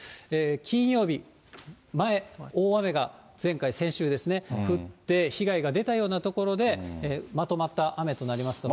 金曜日、大雨が前回、先週ですね、降って、被害が出たような所でまとまった雨となりますので。